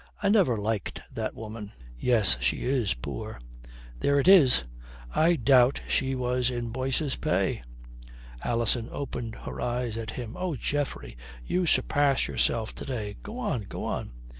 I never liked that woman." "Yes, she is poor." "There it is! I doubt she was in Boyce's pay." Alison opened her eyes at him. "Oh, Geoffrey, you surpass yourself to day. Go on, go on."